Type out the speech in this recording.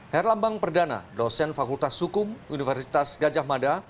herlambang perdana dosen fakultas hukum universitas gajah mada